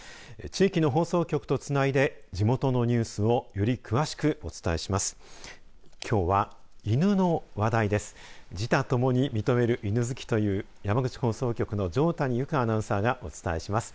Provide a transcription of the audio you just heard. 地域の放送局とつないで地元のニュースをより詳しくお伝えします。